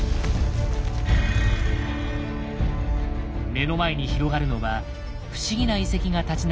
目の前に広がるのは不思議な遺跡が立ち並ぶ